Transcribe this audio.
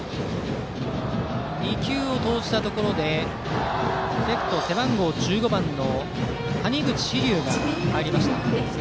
２球を投じたところでレフト背番号１５番の谷口志琉が入りました。